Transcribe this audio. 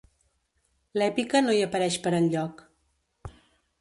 L'èpica no hi apareix per enlloc.